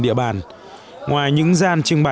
trong phần tiếp theo